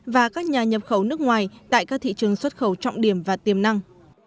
và các nhà nhập khẩu nước ngoài tại các thị trường xuất khẩu trọng điểm và tiềm năng